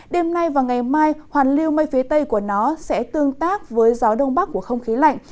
đêm nay và ngày mai hoàn lưu mây phía tây của nó sẽ tương tác với gió đông bắc của không khí lạnh